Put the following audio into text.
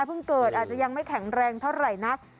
เพิ่งเกิดอาจจะยังไม่แข็งแรงเท่าไรนะ